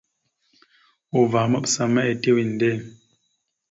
Uvah maɓəsa ma etew inde.